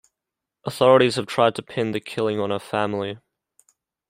Authorities have tried to pin the killing on her family.